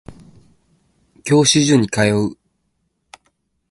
教習所に通う